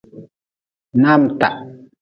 Naamta.